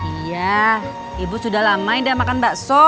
iya ibu sudah lama makan bakso